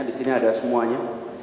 di sini ada semuanya